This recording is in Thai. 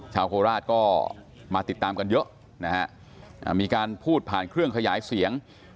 โคราชก็มาติดตามกันเยอะนะฮะมีการพูดผ่านเครื่องขยายเสียง